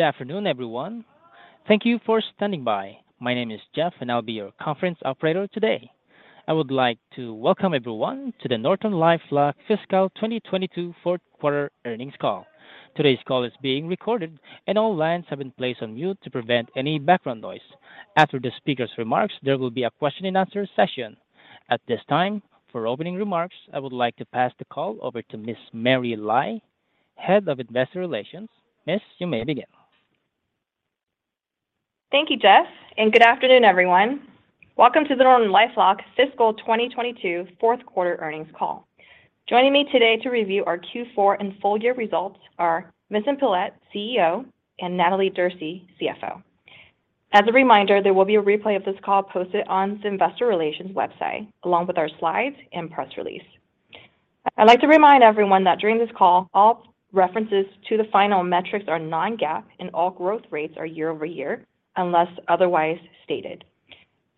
Good afternoon, everyone. Thank you for standing by. My name is Jeff, and I'll be your conference operator today. I would like to welcome everyone to the NortonLifeLock Fiscal 2022 fourth quarter earnings call. Today's call is being recorded and all lines have been placed on mute to prevent any background noise. After the speaker's remarks, there will be a question and answer session. At this time, for opening remarks, I would like to pass the call over to Ms. Mary Lai, Head of Investor Relations. Ms., you may begin. Thank you, Jeff, and good afternoon, everyone. Welcome to the NortonLifeLock fiscal 2022 fourth quarter earnings call. Joining me today to review our Q4 and full year results are Vincent Pilette, CEO, and Natalie Derse, CFO. As a reminder, there will be a replay of this call posted on the investor relations website, along with our slides and press release. I'd like to remind everyone that during this call, all references to the financial metrics are non-GAAP, and all growth rates are year-over-year, unless otherwise stated.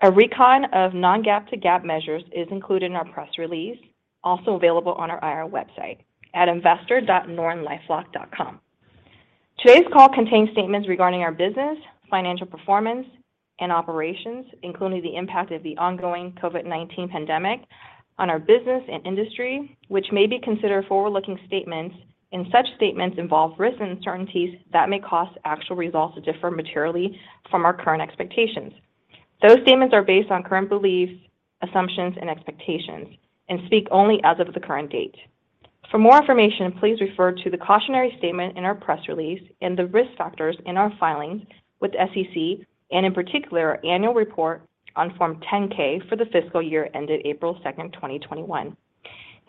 A reconciliation of non-GAAP to GAAP measures is included in our press release, also available on our IR website at investor.nortonlifelock.com. Today's call contains statements regarding our business, financial performance, and operations, including the impact of the ongoing COVID-19 pandemic on our business and industry, which may be considered forward-looking statements, and such statements involve risks and uncertainties that may cause actual results to differ materially from our current expectations. Those statements are based on current beliefs, assumptions, and expectations, and speak only as of the current date. For more information, please refer to the cautionary statement in our press release and the risk factors in our filings with SEC, and in particular, our annual report on Form 10-K for the fiscal year ended April 2, 2021.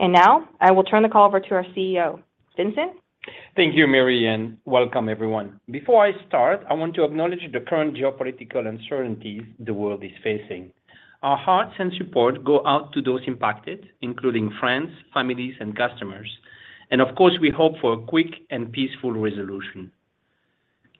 Now, I will turn the call over to our CEO. Vincent? Thank you, Mary, and welcome everyone. Before I start, I want to acknowledge the current geopolitical uncertainties the world is facing. Our hearts and support go out to those impacted, including friends, families, and customers. Of course, we hope for a quick and peaceful resolution.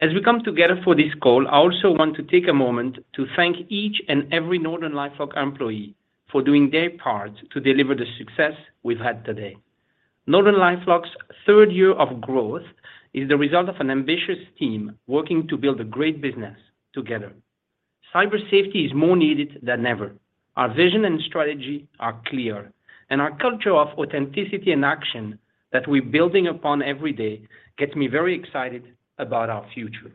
As we come together for this call, I also want to take a moment to thank each and every NortonLifeLock employee for doing their part to deliver the success we've had today. NortonLifeLock's third year of growth is the result of an ambitious team working to build a great business together. Cyber safety is more needed than ever. Our vision and strategy are clear, and our culture of authenticity and action that we're building upon every day gets me very excited about our future.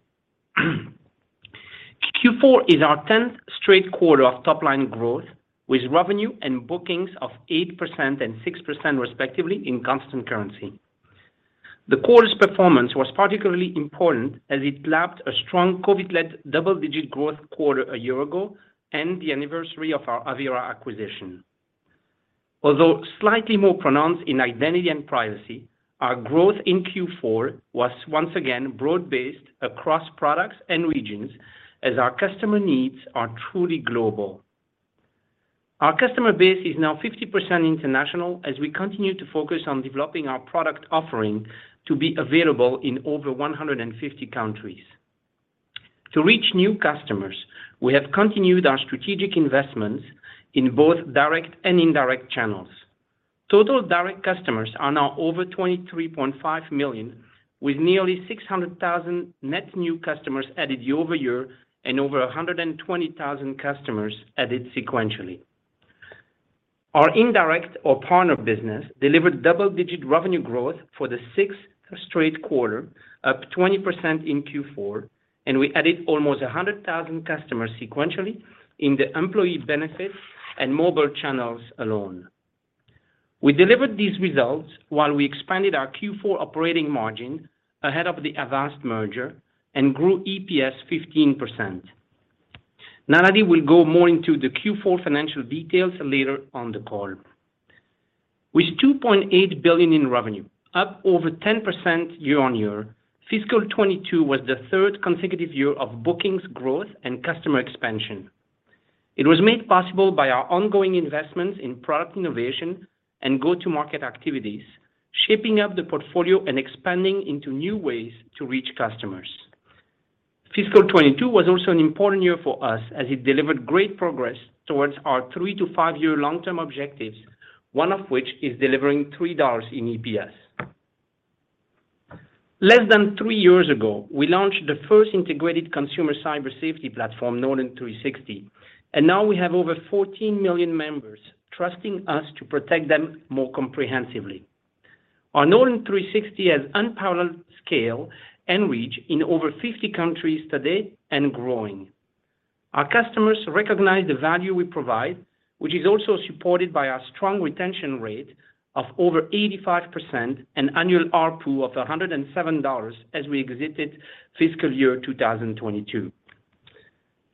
Q4 is our tenth straight quarter of top-line growth, with revenue and bookings of 8% and 6% respectively in constant currency. The quarter's performance was particularly important as it lapped a strong COVID-led double-digit growth quarter a year ago and the anniversary of our Avira acquisition. Although slightly more pronounced in identity and privacy, our growth in Q4 was once again broad-based across products and regions as our customer needs are truly global. Our customer base is now 50% international as we continue to focus on developing our product offering to be available in over 150 countries. To reach new customers, we have continued our strategic investments in both direct and indirect channels. Total direct customers are now over 23.5 million, with nearly 600,000 net new customers added year-over-year and over 120,000 customers added sequentially. Our indirect or partner business delivered double-digit revenue growth for the sixth straight quarter, up 20% in Q4, and we added almost 100,000 customers sequentially in the employee benefits and mobile channels alone. We delivered these results while we expanded our Q4 operating margin ahead of the Avast merger and grew EPS 15%. Natalie will go more into the Q4 financial details later on the call. With $2.8 billion in revenue, up over 10% year-on-year, fiscal 2022 was the third consecutive year of bookings growth and customer expansion. It was made possible by our ongoing investments in product innovation and go-to-market activities, shaping up the portfolio and expanding into new ways to reach customers. Fiscal 2022 was also an important year for us as it delivered great progress towards our three to five year long-term objectives, one of which is delivering $3 in EPS. Less than three years ago, we launched the first integrated consumer cyber safety platform, Norton 360, and now we have over 14 million members trusting us to protect them more comprehensively. Our Norton 360 has unparalleled scale and reach in over 50 countries today and growing. Our customers recognize the value we provide, which is also supported by our strong retention rate of over 85% and annual ARPU of $107 as we exited fiscal year 2022.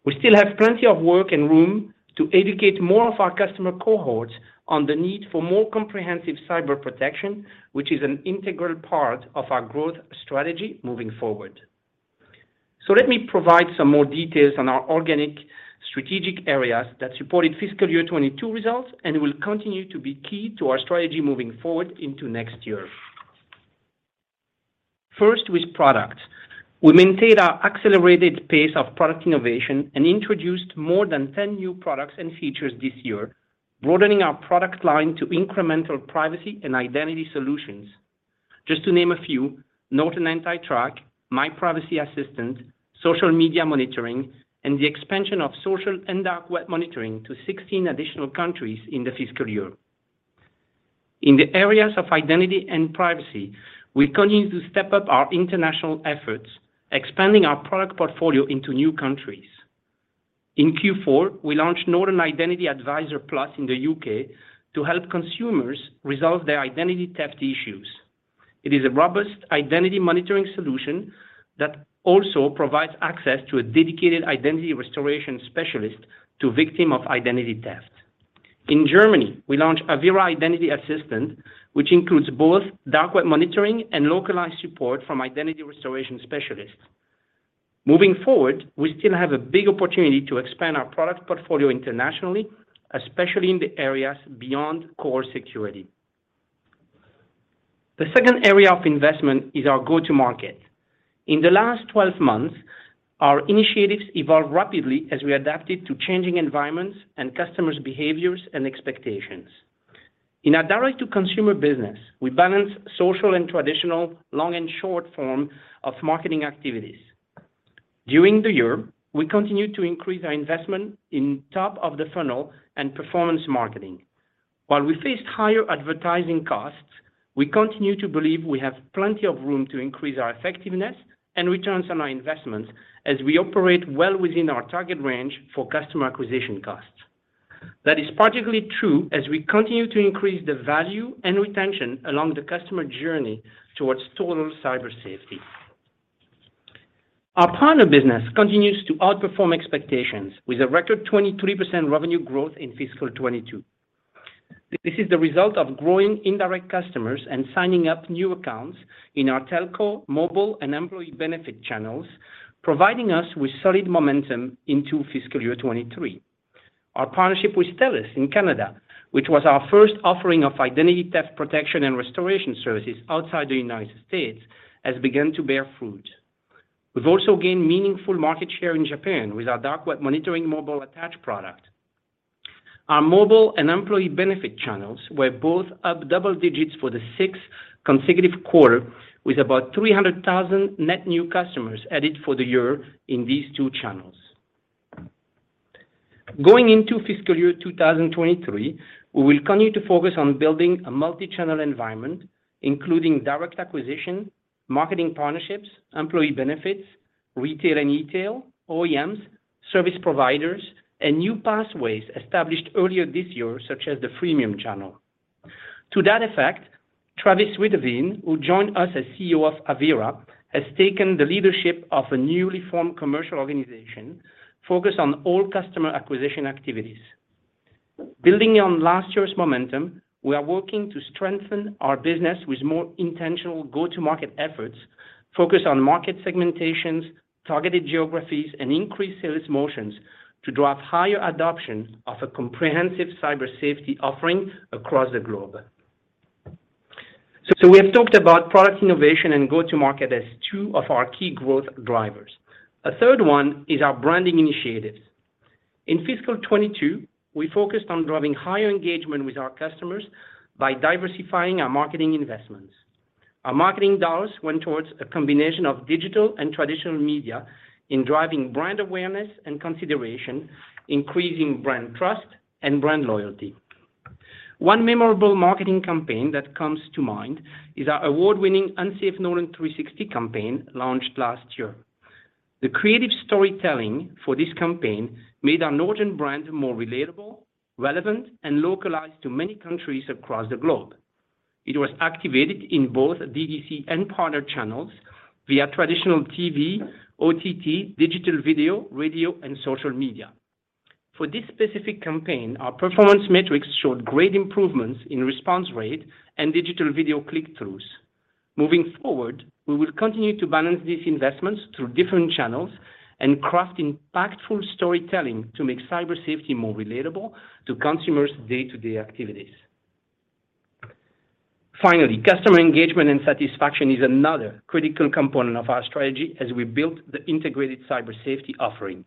We still have plenty of work and room to educate more of our customer cohorts on the need for more comprehensive cyber protection, which is an integral part of our growth strategy moving forward. Let me provide some more details on our organic strategic areas that supported fiscal year 2022 results and will continue to be key to our strategy moving forward into next year. First, with product. We maintained our accelerated pace of product innovation and introduced more than 10 new products and features this year, broadening our product line to incremental privacy and identity solutions. Just to name a few, Norton AntiTrack, My Privacy Assistant, social media monitoring, and the expansion of social and dark web monitoring to 16 additional countries in the fiscal year. In the areas of identity and privacy, we continue to step up our international efforts, expanding our product portfolio into new countries. In Q4, we launched Norton Identity Advisor Plus in the U.K. to help consumers resolve their identity theft issues. It is a robust identity monitoring solution that also provides access to a dedicated identity restoration specialist to victims of identity theft. In Germany, we launched Avira Identity Assistant, which includes both dark web monitoring and localized support from identity restoration specialists. Moving forward, we still have a big opportunity to expand our product portfolio internationally, especially in the areas beyond core security. The second area of investment is our go-to-market. In the last 12-months, our initiatives evolved rapidly as we adapted to changing environments and customers' behaviors and expectations. In our direct-to-consumer business, we balance social and traditional, long and short form of marketing activities. During the year, we continued to increase our investment in top of the funnel and performance marketing. While we faced higher advertising costs, we continue to believe we have plenty of room to increase our effectiveness and returns on our investments as we operate well within our target range for customer acquisition costs. That is particularly true as we continue to increase the value and retention along the customer journey towards total cyber safety. Our partner business continues to outperform expectations with a record 23% revenue growth in fiscal 2022. This is the result of growing indirect customers and signing up new accounts in our telco, mobile, and employee benefit channels, providing us with solid momentum into fiscal year 2023. Our partnership with TELUS in Canada, which was our first offering of identity theft protection and restoration services outside the United States, has begun to bear fruit. We've also gained meaningful market share in Japan with our dark web monitoring mobile attached product. Our mobile and employee benefit channels were both up double digits for the sixth consecutive quarter, with about 300,000 net new customers added for the year in these two channels. Going into fiscal year 2023, we will continue to focus on building a multichannel environment, including direct acquisition, marketing partnerships, employee benefits, retail and e-tail, OEMs, service providers, and new pathways established earlier this year, such as the freemium channel. To that effect, Travis Witteveen, who joined us as CEO of Avira, has taken the leadership of a newly formed commercial organization focused on all customer acquisition activities. Building on last year's momentum, we are working to strengthen our business with more intentional go-to-market efforts, focused on market segmentations, targeted geographies, and increased sales motions to drive higher adoption of a comprehensive cyber safety offering across the globe. We have talked about product innovation and go-to-market as two of our key growth drivers. A third one is our branding initiatives. In fiscal 2022, we focused on driving higher engagement with our customers by diversifying our marketing investments. Our marketing dollars went towards a combination of digital and traditional media in driving brand awareness and consideration, increasing brand trust and brand loyalty. One memorable marketing campaign that comes to mind is our award-winning Un-Safe Norton 360 campaign launched last year. The creative storytelling for this campaign made our Norton brand more relatable, relevant, and localized to many countries across the globe. It was activated in both D2C and partner channels via traditional TV, OTT, digital video, radio and social media. For this specific campaign, our performance metrics showed great improvements in response rate and digital video click-throughs. Moving forward, we will continue to balance these investments through different channels and craft impactful storytelling to make cyber safety more relatable to consumers' day-to-day activities. Finally, customer engagement and satisfaction is another critical component of our strategy as we build the integrated cyber safety offering.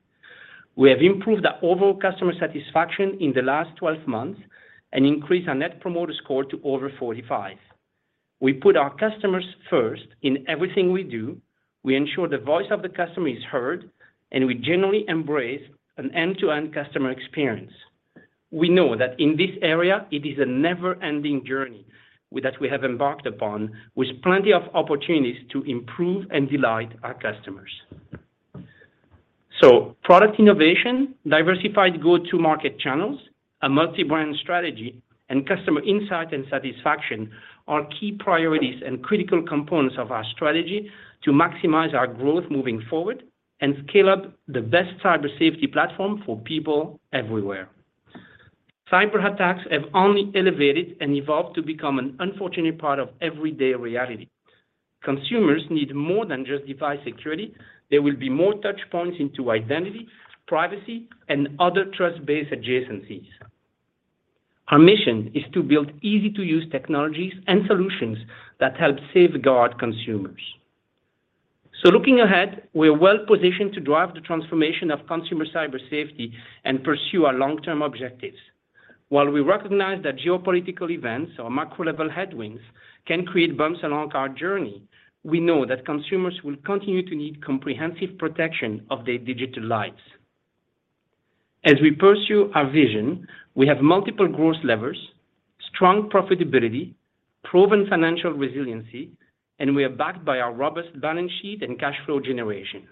We have improved our overall customer satisfaction in the last 12-months and increased our net promoter score to over 45. We put our customers first in everything we do. We ensure the voice of the customer is heard, and we generally embrace an end-to-end customer experience. We know that in this area, it is a never-ending journey that we have embarked upon with plenty of opportunities to improve and delight our customers. Product innovation, diversified go-to-market channels, a multi-brand strategy, and customer insight and satisfaction are key priorities and critical components of our strategy to maximize our growth moving forward and scale up the best cyber safety platform for people everywhere. Cyber attacks have only elevated and evolved to become an unfortunate part of everyday reality. Consumers need more than just device security. There will be more touch points into identity, privacy, and other trust-based adjacencies. Our mission is to build easy-to-use technologies and solutions that help safeguard consumers. Looking ahead, we are well-positioned to drive the transformation of consumer cyber safety and pursue our long-term objectives. While we recognize that geopolitical events or macro-level headwinds can create bumps along our journey, we know that consumers will continue to need comprehensive protection of their digital lives. As we pursue our vision, we have multiple growth levers, strong profitability, proven financial resiliency, and we are backed by our robust balance sheet and cash flow generation.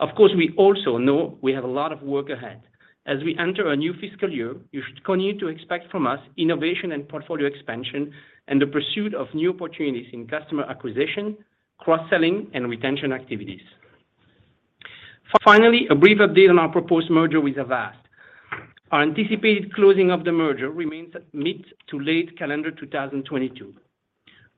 Of course, we also know we have a lot of work ahead. As we enter a new fiscal year, you should continue to expect from us innovation and portfolio expansion and the pursuit of new opportunities in customer acquisition, cross-selling, and retention activities. Finally, a brief update on our proposed merger with Avast. Our anticipated closing of the merger remains mid- to late calendar 2022.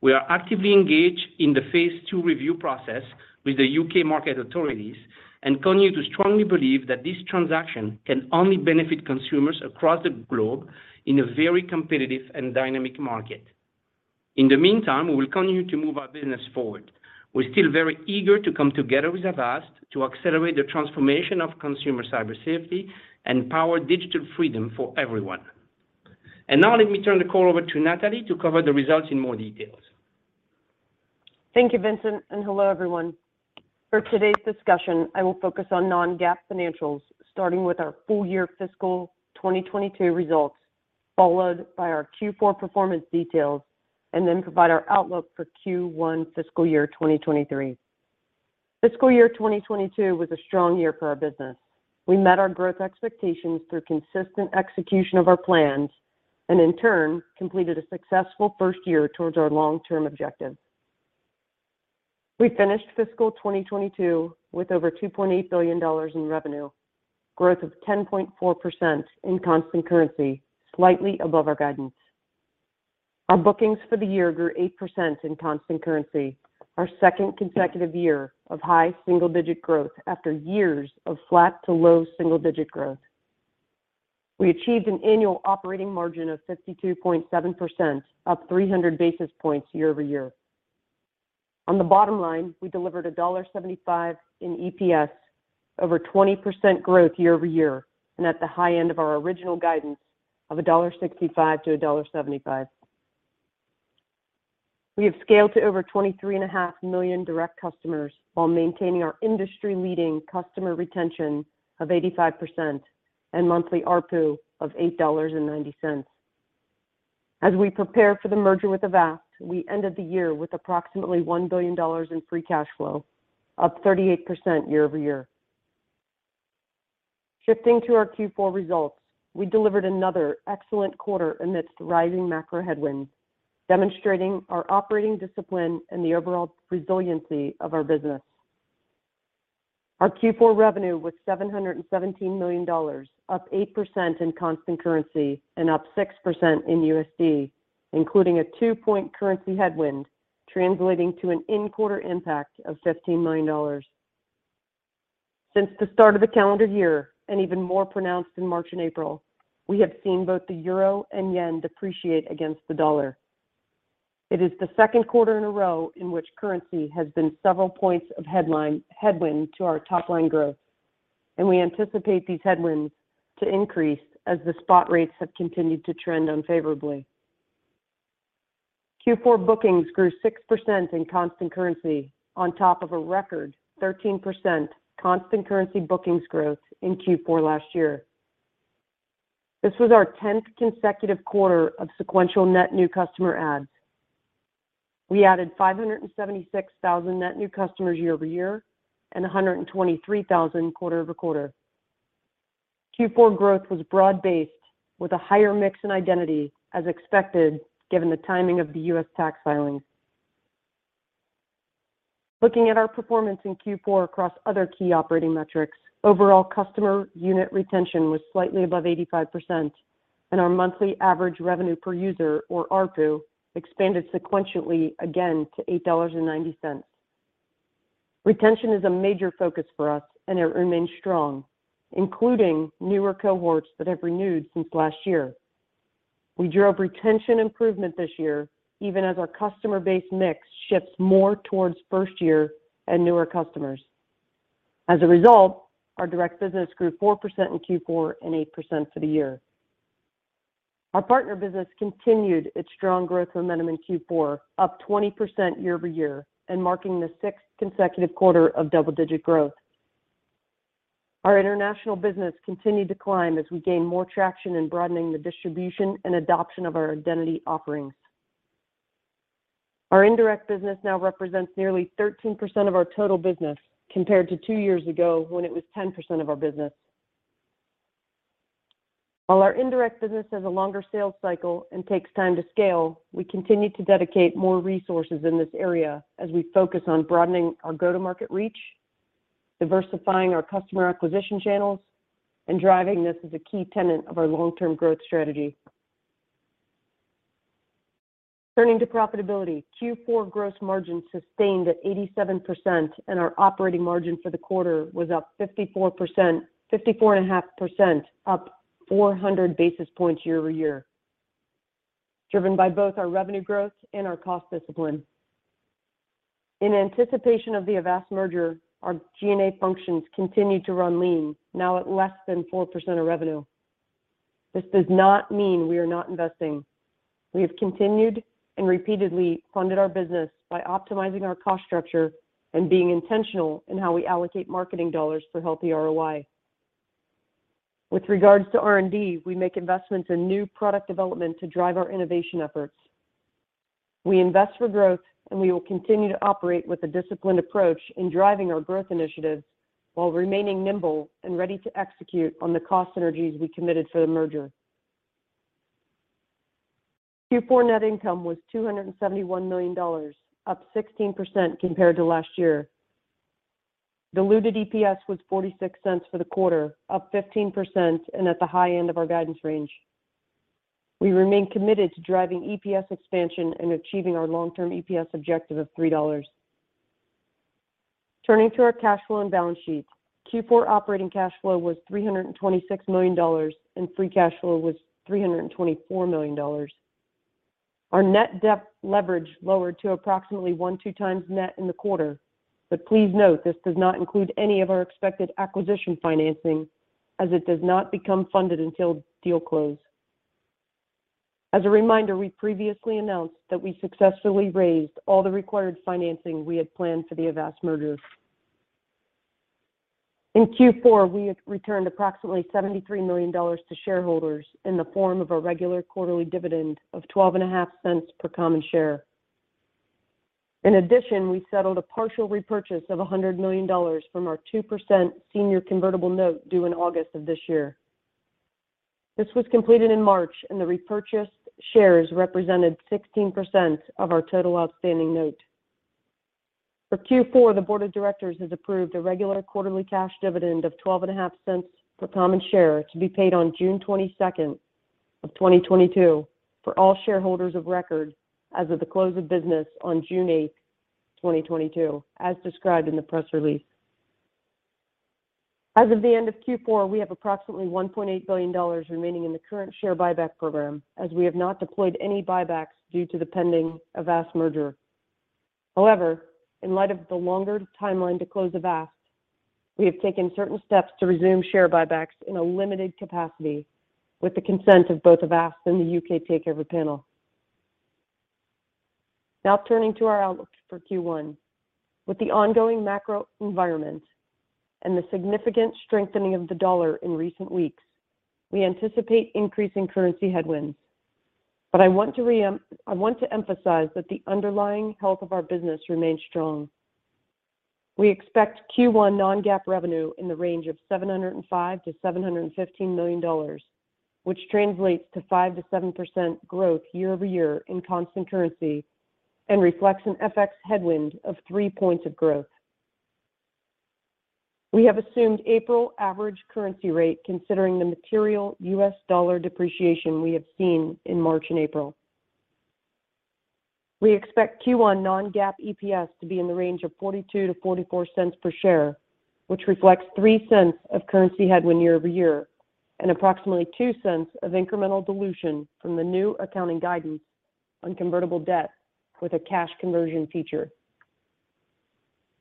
We are actively engaged in the phase two review process with the U.K. market authorities and continue to strongly believe that this transaction can only benefit consumers across the globe in a very competitive and dynamic market. In the meantime, we will continue to move our business forward. We're still very eager to come together with Avast to accelerate the transformation of consumer cyber safety and power digital freedom for everyone. Now let me turn the call over to Natalie to cover the results in more details. Thank you, Vincent, and hello, everyone. For today's discussion, I will focus on non-GAAP financials, starting with our full year fiscal 2022 results, followed by our Q4 performance details, and then provide our outlook for Q1 fiscal year 2023. Fiscal year 2022 was a strong year for our business. We met our growth expectations through consistent execution of our plans, and in turn, completed a successful first year towards our long-term objective. We finished fiscal 2022 with over $2.8 billion in revenue, growth of 10.4% in constant currency, slightly above our guidance. Our bookings for the year grew 8% in constant currency, our second consecutive year of high single-digit growth after years of flat to low single-digit growth. We achieved an annual operating margin of 62.7%, up 300 basis points year-over-year. On the bottom line, we delivered $1.75 in EPS over 20% growth year-over-year, and at the high end of our original guidance of $1.65-$1.75. We have scaled to over 23.5 million direct customers while maintaining our industry-leading customer retention of 85% and monthly ARPU of $8.90. As we prepare for the merger with Avast, we ended the year with approximately $1 billion in Free Cash Flow, up 38% year-over-year. Shifting to our Q4 results, we delivered another excellent quarter amidst rising macro headwinds, demonstrating our operating discipline and the overall resiliency of our business. Our Q4 revenue was $717 million, up 8% in constant currency and up 6% in USD, including a two point currency headwind, translating to an in-quarter impact of $15 million. Since the start of the calendar year, and even more pronounced in March and April, we have seen both the euro and yen depreciate against the dollar. It is the second quarter in a row in which currency has been several points of headline headwind to our top line growth, and we anticipate these headwinds to increase as the spot rates have continued to trend unfavorably. Q4 bookings grew 6% in constant currency on top of a record 13% constant currency bookings growth in Q4 last year. This was our 10th consecutive quarter of sequential net new customer adds. We added 576,000 net new customers year-over-year and 123,000 quarter-over-quarter. Q4 growth was broad-based with a higher mix in identity as expected, given the timing of the U.S. tax filing. Looking at our performance in Q4 across other key operating metrics, overall customer unit retention was slightly above 85%, and our monthly average revenue per user or ARPU expanded sequentially again to $8.90. Retention is a major focus for us and it remains strong, including newer cohorts that have renewed since last year. We drove retention improvement this year, even as our customer base mix shifts more towards first year and newer customers. As a result, our direct business grew 4% in Q4 and 8% for the year. Our partner business continued its strong growth momentum in Q4, up 20% year-over-year and marking the sixth consecutive quarter of double-digit growth. Our international business continued to climb as we gain more traction in broadening the distribution and adoption of our identity offerings. Our indirect business now represents nearly 13% of our total business, compared to two years ago when it was 10% of our business. While our indirect business has a longer sales cycle and takes time to scale, we continue to dedicate more resources in this area as we focus on broadening our go-to-market reach, diversifying our customer acquisition channels, and driving this as a key tenet of our long-term growth strategy. Turning to profitability, Q4 gross margin sustained at 87%, and our operating margin for the quarter was up 54.5%, up 400 basis points year-over-year, driven by both our revenue growth and our cost discipline. In anticipation of the Avast merger, our G&A functions continued to run lean, now at less than 4% of revenue. This does not mean we are not investing. We have continued and repeatedly funded our business by optimizing our cost structure and being intentional in how we allocate marketing dollars for healthy ROI. With regards to R&D, we make investments in new product development to drive our innovation efforts. We invest for growth, and we will continue to operate with a disciplined approach in driving our growth initiatives while remaining nimble and ready to execute on the cost synergies we committed for the merger. Q4 net income was $271 million, up 16% compared to last year. Diluted EPS was $0.46 for the quarter, up 15% and at the high end of our guidance range. We remain committed to driving EPS expansion and achieving our long-term EPS objective of $3. Turning to our cash flow and balance sheets. Q4 operating cash flow was $326 million, and Free Cash Flow was $324 million. Our net debt leverage lowered to approximately 1.2x net in the quarter. Please note, this does not include any of our expected acquisition financing as it does not become funded until deal close. As a reminder, we previously announced that we successfully raised all the required financing we had planned for the Avast merger. In Q4, we returned approximately $73 million to shareholders in the form of a regular quarterly dividend of $0.125 per common share. In addition, we settled a partial repurchase of $100 million from our 2% senior convertible note due in August of this year. This was completed in March, and the repurchased shares represented 16% of our total outstanding note. For Q4, the board of directors has approved a regular quarterly cash dividend of $0.125 per common share to be paid on June 22, 2022 for all shareholders of record as of the close of business on June 8, 2022, as described in the press release. As of the end of Q4, we have approximately $1.8 billion remaining in the current share buyback program, as we have not deployed any buybacks due to the pending Avast merger. However, in light of the longer timeline to close Avast, we have taken certain steps to resume share buybacks in a limited capacity with the consent of both Avast and the Takeover Panel. Now turning to our outlook for Q1. With the ongoing macro environment and the significant strengthening of the dollar in recent weeks, we anticipate increasing currency headwinds. I want to emphasize that the underlying health of our business remains strong. We expect Q1 non-GAAP revenue in the range of $705 million-$715 million, which translates to 5%-7% growth year-over-year in constant currency and reflects an FX headwind of three points of growth. We have assumed April average currency rate considering the material U.S. dollar depreciation we have seen in March and April. We expect Q1 non-GAAP EPS to be in the range of $0.42-$0.44 per share, which reflects $0.03 of currency headwind year-over-year and approximately $0.02 of incremental dilution from the new accounting guidance on convertible debt with a cash conversion feature.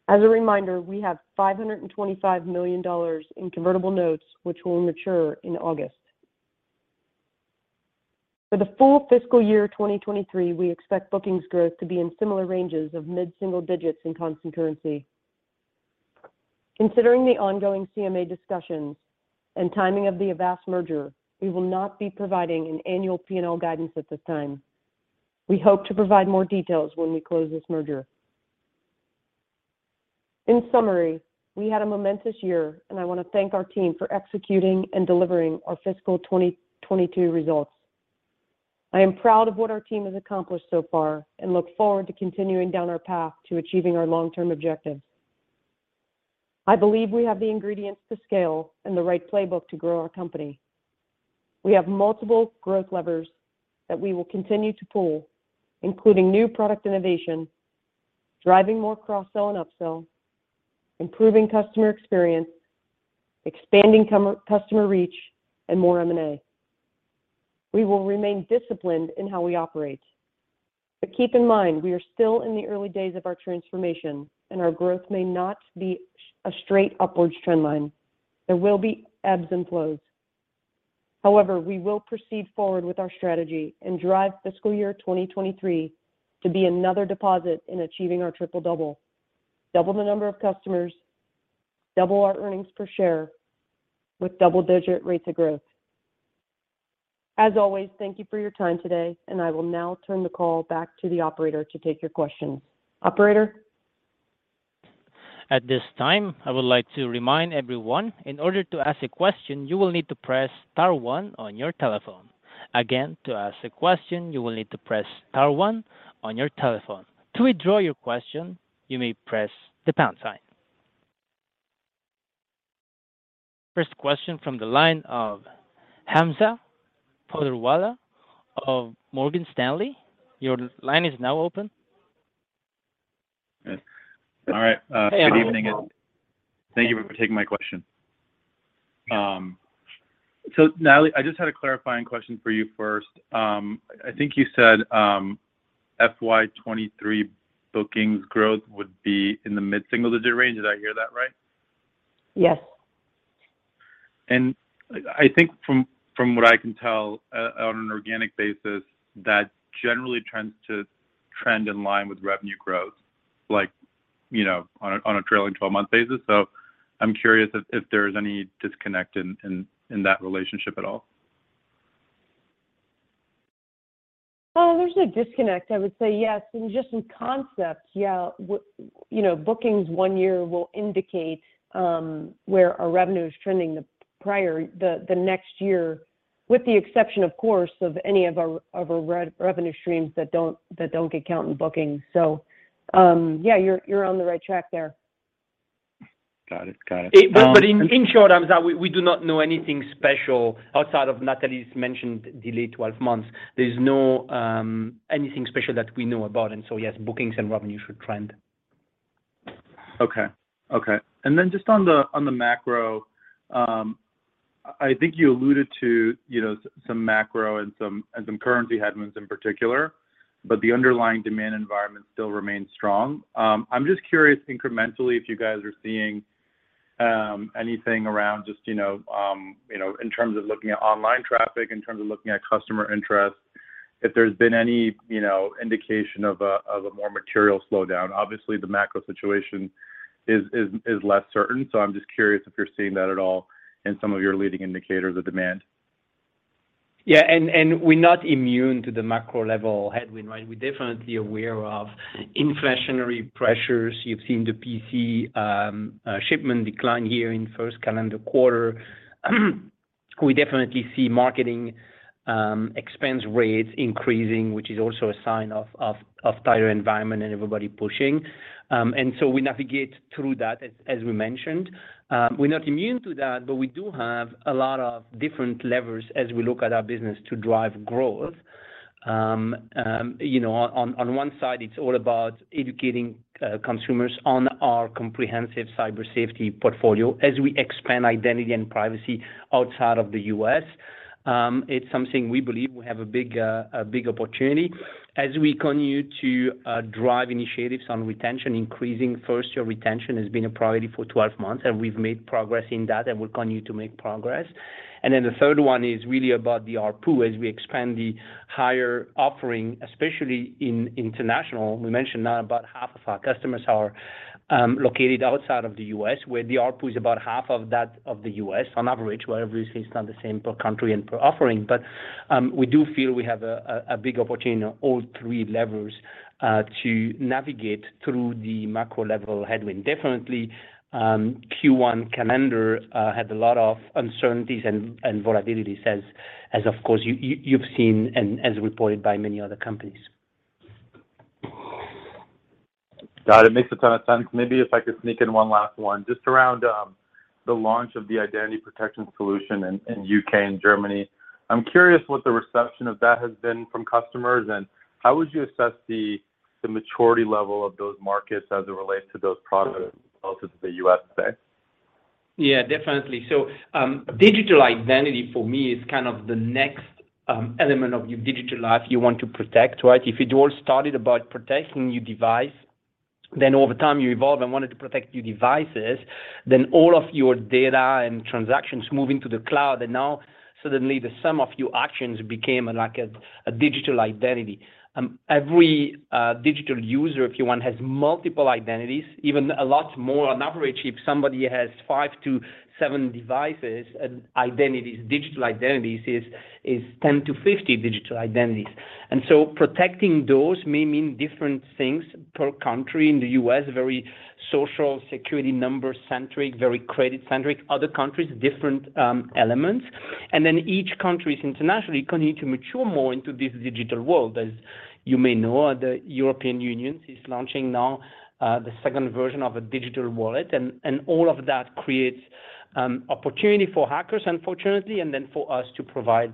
As a reminder, we have $525 million in convertible notes, which will mature in August. For the full fiscal year 2023, we expect bookings growth to be in similar ranges of mid-single digits in constant currency. Considering the ongoing CMA discussions and timing of the Avast merger, we will not be providing an annual P&L guidance at this time. We hope to provide more details when we close this merger. In summary, we had a momentous year, and I want to thank our team for executing and delivering our fiscal 2022 results. I am proud of what our team has accomplished so far and look forward to continuing down our path to achieving our long-term objectives. I believe we have the ingredients to scale and the right playbook to grow our company. We have multiple growth levers that we will continue to pull, including new product innovation, driving more cross-sell and up-sell, improving customer experience, expanding customer reach, and more M&A. We will remain disciplined in how we operate. Keep in mind, we are still in the early days of our transformation, and our growth may not be a straight upwards trend line. There will be ebbs and flows. However, we will proceed forward with our strategy and drive fiscal year 2023 to be another deposit in achieving our triple double. Double the number of customers, double our earnings per share with double-digit rates of growth. As always, thank you for your time today, and I will now turn the call back to the operator to take your questions. Operator? At this time, I would like to remind everyone, in order to ask a question, you will need to press star one on your telephone. Again, to ask a question, you will need to press star one on your telephone. To withdraw your question, you may press the pound sign. First question from the line of Hamza Fodderwala of Morgan Stanley. Your line is now open. All right. Good evening. Hey, Hamza. Thank you for taking my question. Natalie, I just had a clarifying question for you first. I think you said, FY 2023 bookings growth would be in the mid-single digit range. Did I hear that right? Yes. I think from what I can tell on an organic basis, that generally tends to trend in line with revenue growth, like, you know, on a trailing 12-month basis. I'm curious if there's any disconnect in that relationship at all. Well, there's no disconnect. I would say yes. In concept, yeah, you know, bookings one year will indicate where our revenue is trending the next year, with the exception, of course, of any of our revenue streams that don't get counted in bookings. Yeah, you're on the right track there. Got it. Got it. In short, Hamza, we do not know anything special outside of Natalie's mentioned delayed 12-months. There's no anything special that we know about. Yes, bookings and revenue should trend. Okay. Then just on the macro, I think you alluded to, you know, some macro and some currency headwinds in particular, but the underlying demand environment still remains strong. I'm just curious incrementally if you guys are seeing anything around just, you know, in terms of looking at online traffic, in terms of looking at customer interest, if there's been any, you know, indication of a more material slowdown. Obviously, the macro situation is less certain. I'm just curious if you're seeing that at all in some of your leading indicators of demand. Yeah. We're not immune to the macro level headwind, right? We're definitely aware of inflationary pressures. You've seen the PC shipment decline here in first calendar quarter. We definitely see marketing expense rates increasing, which is also a sign of tighter environment and everybody pushing. We navigate through that as we mentioned. We're not immune to that, but we do have a lot of different levers as we look at our business to drive growth. You know, on one side, it's all about educating consumers on our comprehensive cyber safety portfolio as we expand identity and privacy outside of the U.S. It's something we believe we have a big opportunity as we continue to drive initiatives on retention, increasing first-year retention has been a priority for 12-months, and we've made progress in that, and we'll continue to make progress. The third one is really about the ARPU as we expand the higher offering, especially in international. We mentioned now about half of our customers are located outside of the U.S., where the ARPU is about half of that of the U.S. on average, where every stat is not the same per country and per offering. We do feel we have a big opportunity on all three levels to navigate through the macro level headwind. Definitely, Q1 calendar had a lot of uncertainties and volatilities as of course you've seen and as reported by many other companies. Got it. Makes a ton of sense. Maybe if I could sneak in one last one, just around the launch of the identity protection solution in U.K. and Germany. I'm curious what the reception of that has been from customers, and how would you assess the maturity level of those markets as it relates to those products versus the U.S., say? Yeah, definitely. Digital identity for me is kind of the next element of your digital life you want to protect, right? If it all started about protecting your device, then over time you evolve and wanted to protect your devices, then all of your data and transactions move into the cloud. Now suddenly the sum of your actions became like a digital identity. Every digital user, if you want, has multiple identities, even a lot more on average. If somebody has five to seven devices and identities, digital identities, is 10-50 digital identities. Protecting those may mean different things per country. In the U.S., very Social Security number-centric, very credit-centric. Other countries, different elements. Each country internationally continue to mature more into this digital world. As you may know, the European Union is launching now the second version of a digital wallet, and all of that creates opportunity for hackers, unfortunately, and then for us to provide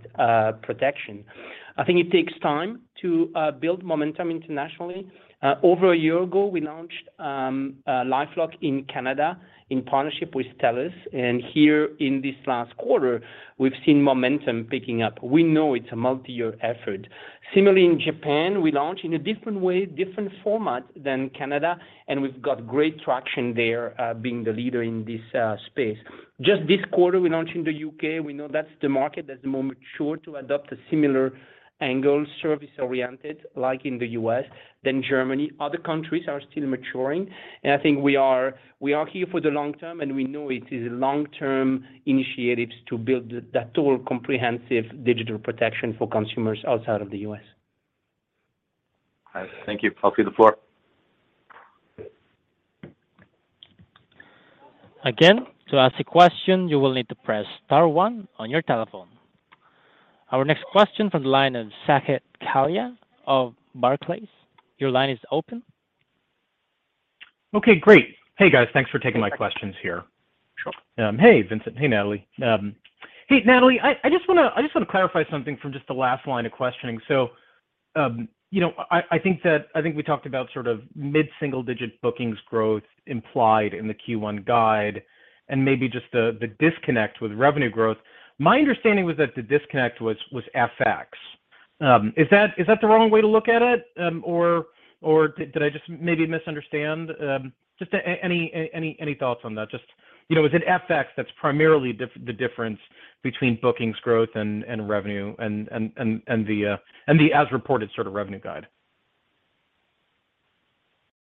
protection. I think it takes time to build momentum internationally. Over a year ago, we launched LifeLock in Canada in partnership with TELUS, and here in this last quarter we've seen momentum picking up. We know it's a multi-year effort. Similarly in Japan, we launch in a different way, different format than Canada, and we've got great traction there, being the leader in this space. Just this quarter, we launched in the U.K. We know that's the market that's more mature to adopt a similar angle, service-oriented like in the U.S. than Germany. Other countries are still maturing, and I think we are here for the long term, and we know it is long-term initiatives to build that total comprehensive digital protection for consumers outside of the U.S. All right. Thank you. I'll cede the floor. Again, to ask a question, you will need to press star one on your telephone. Our next question from the line of Saket Kalia of Barclays. Your line is open. Okay, great. Hey guys, thanks for taking my questions here. Sure. Hey, Vincent. Hey, Natalie. Hey, Natalie, I just wanna clarify something from just the last line of questioning. You know, I think we talked about sort of mid-single digit bookings growth implied in the Q1 guide and maybe just the disconnect with revenue growth. My understanding was that the disconnect was FX. Is that the wrong way to look at it? Or did I just maybe misunderstand? Just any thoughts on that? You know, is it FX that's primarily the difference between bookings growth and revenue and the as reported sort of revenue guide?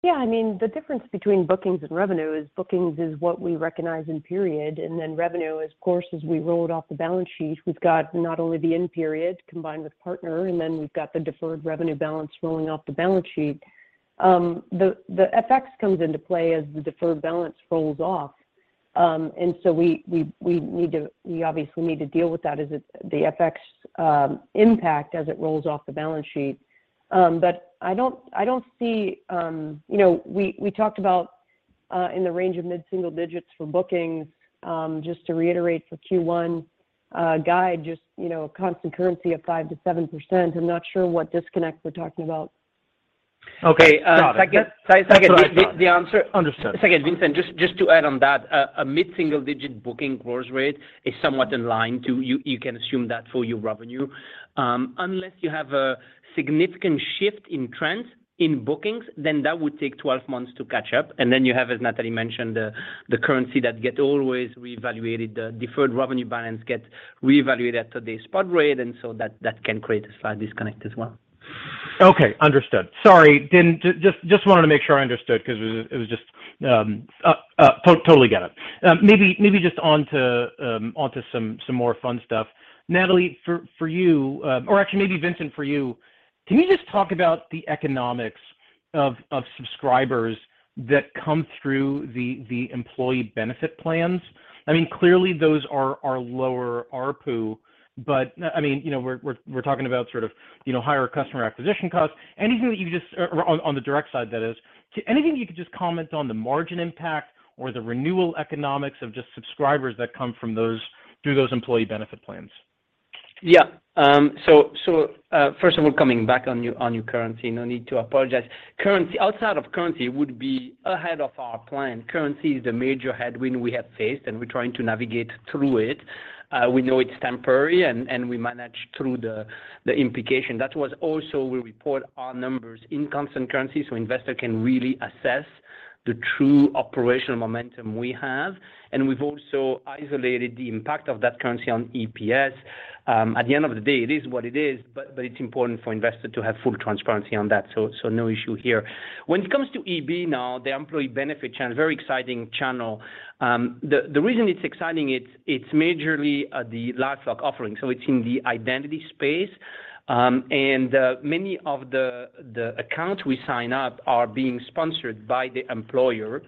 Yeah, I mean, the difference between bookings and revenue is bookings is what we recognize in period, and then revenue is, of course, as we rolled off the balance sheet. We've got not only the in-period combined with partner, and then we've got the deferred revenue balance rolling off the balance sheet. The FX comes into play as the deferred balance rolls off. We obviously need to deal with that as it's the FX impact as it rolls off the balance sheet. I don't see. You know, we talked about in the range of mid-single digits for bookings. Just to reiterate for Q1 guide, you know, constant currency of 5%-7%. I'm not sure what disconnect we're talking about. Okay. Saket- Got it. Saket, No, that's all right. The, the answer- Understood. Saket, Vincent, just to add on that, a mid-single digit booking growth rate is somewhat in line with you. You can assume that for your revenue unless you have a significant shift in trends in bookings, then that would take 12-months to catch up. Then you have, as Natalie mentioned, the currency that gets always reevaluated. The deferred revenue balance gets reevaluated to this spot rate, and so that can create a slight disconnect as well. Okay, understood. Sorry. Just wanted to make sure I understood because it was just to totally get it. Maybe just on to some more fun stuff. Natalie, for you, or actually maybe Vincent, for you, can you just talk about the economics of subscribers that come through the employee benefit plans? I mean, clearly those are lower ARPU, but I mean, you know, we're talking about sort of, you know, higher customer acquisition costs. Or on the direct side, that is. Anything you could just comment on the margin impact or the renewal economics of just subscribers that come through those employee benefit plans? Yeah. First of all, coming back on your currency, no need to apologize. Currency. Outside of currency would be ahead of our plan. Currency is the major headwind we have faced, and we're trying to navigate through it. We know it's temporary, and we manage through the implication. That's also why we report our numbers in constant currency, so investors can really assess the true operational momentum we have, and we've also isolated the impact of that currency on EPS. At the end of the day, it is what it is, but it's important for investors to have full transparency on that. No issue here. When it comes to EB now, the employee benefit channel, very exciting channel. The reason it's exciting, it's majorly the LifeLock offering, so it's in the identity space. Many of the accounts we sign up are being sponsored by the employer.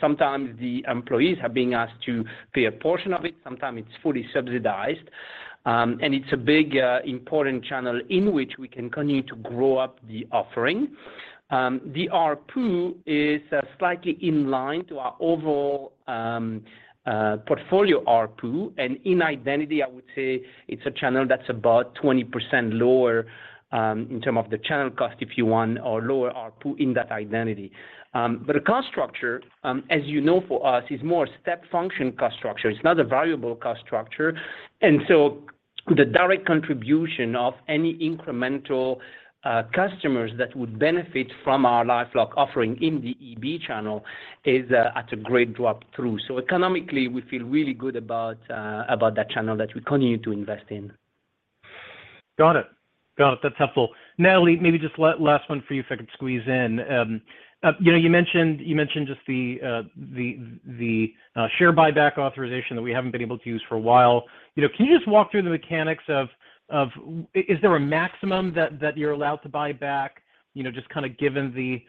Sometimes the employees are being asked to pay a portion of it, sometimes it's fully subsidized. It's a big important channel in which we can continue to grow up the offering. The ARPU is slightly in line to our overall portfolio ARPU. In identity, I would say it's a channel that's about 20% lower in terms of the channel cost, if you want, or lower ARPU in that identity. The cost structure, as you know for us, is more step function cost structure. It's not a variable cost structure. The direct contribution of any incremental customers that would benefit from our LifeLock offering in the EB channel is at a great drop through. Economically, we feel really good about that channel that we continue to invest in. Got it. That's helpful. Natalie, maybe just last one for you, if I could squeeze in. You know, you mentioned just the share buyback authorization that we haven't been able to use for a while. You know, can you just walk through the mechanics of is there a maximum that you're allowed to buy back? You know, just kinda given the,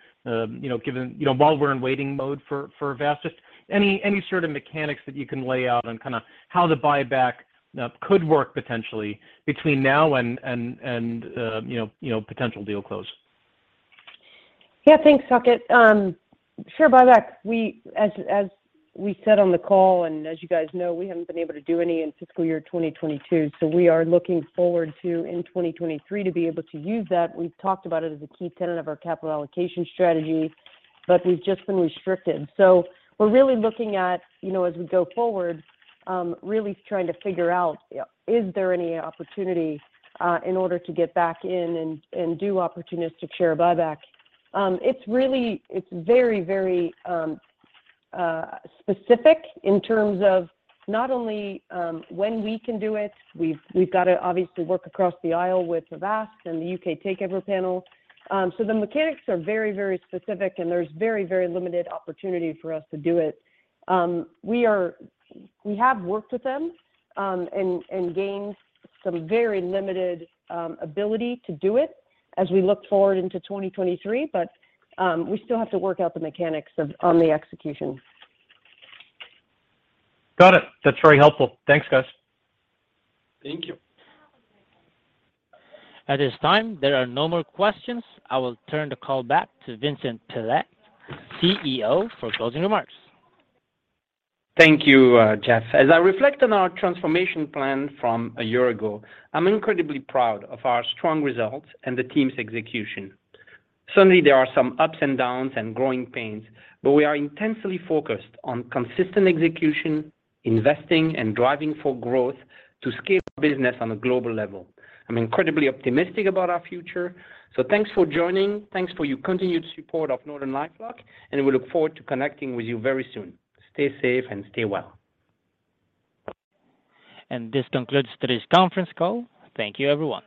you know, given. You know, while we're in waiting mode for Avast. Just any sort of mechanics that you can lay out on kinda how the buyback could work potentially between now and, you know, potential deal close. Yeah. Thanks, Saket. Share buyback, as we said on the call, and as you guys know, we haven't been able to do any in fiscal year 2022, so we are looking forward to, in 2023, to be able to use that. We've talked about it as a key tenet of our capital allocation strategy, but we've just been restricted. We're really looking at, you know, as we go forward, really trying to figure out, is there any opportunity in order to get back in and do opportunistic share buyback. It's really very specific in terms of not only when we can do it, we've gotta obviously work across the aisle with Avast and The Takeover Panel. The mechanics are very specific, and there's very limited opportunity for us to do it. We have worked with them, and gained some very limited ability to do it as we look forward into 2023, but we still have to work out the mechanics on the execution. Got it. That's very helpful. Thanks, guys. Thank you. At this time, there are no more questions. I will turn the call back to Vincent Pilette, CEO, for closing remarks. Thank you, Jeff. As I reflect on our transformation plan from a year ago, I'm incredibly proud of our strong results and the team's execution. Certainly, there are some ups and downs and growing pains, but we are intensely focused on consistent execution, investing, and driving for growth to scale business on a global level. I'm incredibly optimistic about our future. Thanks for joining. Thanks for your continued support of NortonLifeLock, and we look forward to connecting with you very soon. Stay safe and stay well. This concludes today's conference call. Thank you, everyone.